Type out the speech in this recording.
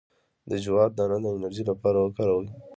د جوار دانه د انرژي لپاره وکاروئ